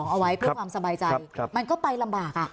เอาไว้เพื่อความสบายใจมันก็ไปลำบาก